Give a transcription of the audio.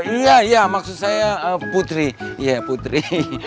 iya maksud saya putri